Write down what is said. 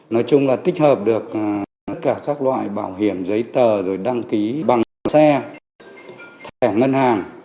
nói chung là tích hợp được tất cả các loại bảo hiểm giấy tờ rồi đăng ký bằng xe thẻ ngân hàng